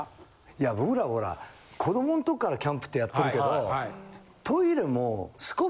いや僕らほら子どもの時からキャンプってやってるけど。